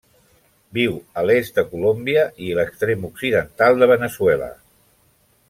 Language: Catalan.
Viu a l'est de Colòmbia i l'extrem occidental de Veneçuela.